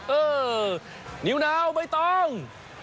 เออนิวนาวใบตอง